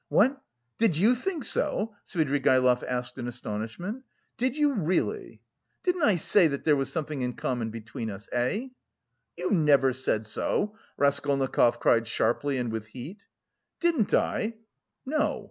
"What! Did you think so?" Svidrigaïlov asked in astonishment. "Did you really? Didn't I say that there was something in common between us, eh?" "You never said so!" Raskolnikov cried sharply and with heat. "Didn't I?" "No!"